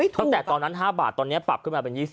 ตั้งแต่ตอนนั้น๕บาทตอนนี้ปรับขึ้นมาเป็น๒๐